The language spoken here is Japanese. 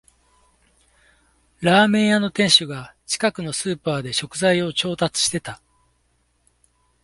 ラーメン屋の店主が近くのスーパーで食材を調達してた